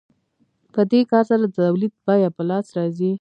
په دې کار سره د تولید بیه په لاس راځي